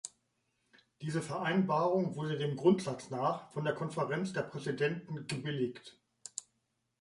Diese Vereinbarung wurde dem Grundsatz nach von der Konferenz der Präsidenten gebilligt.